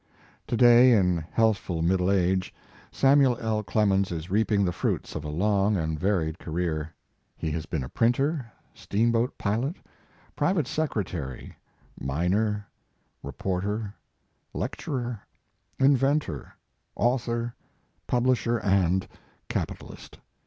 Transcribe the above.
To day in healthful middle age, Samuel I,. Clemens is reaping the fruits of a long and varied career. He has been a printer, steamboat pilot, private secre tary, miner, reporter, lecturer, inventor, author, publisher and capitalist.